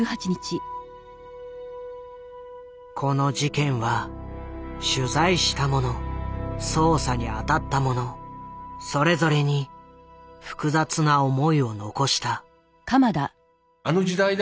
この事件は取材した者捜査に当たった者それぞれに複雑な思いを残した。